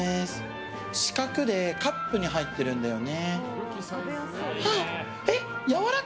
四角でカップに入ってるんだよね。